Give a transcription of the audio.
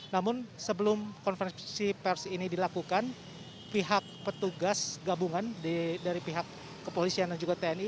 namun sebelum konferensi pers ini dilakukan pihak petugas gabungan dari pihak kepolisian dan juga tni